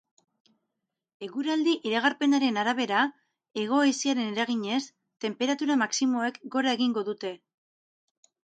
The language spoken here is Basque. Eguraldi iragarpenaren arabera, hego-haizearen eraginez, tenperatura maximoek gora egingo dute.